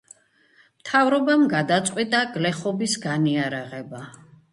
მთავრობამ გადაწყვიტა გლეხობის განიარაღება.